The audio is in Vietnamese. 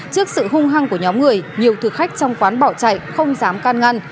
trước sự hung hăng của nhóm người nhiều thực khách trong quán bỏ chạy không dám can ngăn